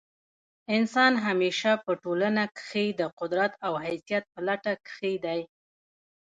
انسان همېشه په ټولنه کښي د قدرت او حیثیت په لټه کښي دئ.